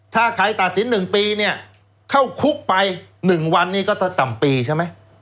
ถ้าใครตัดสิน๑ปีเนี่ยเข้าคุกไป๑วันนี้ก็ต่ำปีใช่ไหม